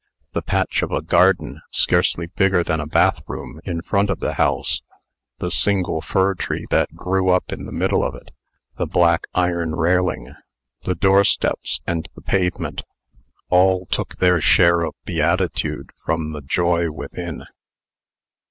The patch of a garden, scarcely bigger than a bathroom, in front of the house; the single fir tree that grew up in the middle of it; the black iron railing; the door steps, and the pavement all took their share of beatitude from the joy within.